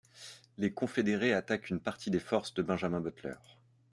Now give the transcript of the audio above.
Les confédérés attaquent une partie des forces de Benjamin Butler.